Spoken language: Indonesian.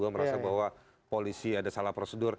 merasa bahwa polisi ada salah prosedur